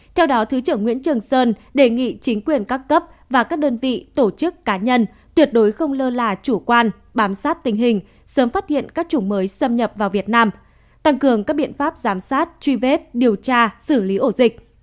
theo đó thứ trưởng nguyễn trường sơn đề nghị chính quyền các cấp và các đơn vị tổ chức cá nhân tuyệt đối không lơ là chủ quan bám sát tình hình sớm phát hiện các chủng mới xâm nhập vào việt nam tăng cường các biện pháp giám sát truy vết điều tra xử lý ổ dịch